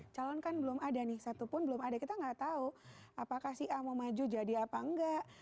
calon kan belum ada nih satupun belum ada kita nggak tahu apakah si a mau maju jadi apa enggak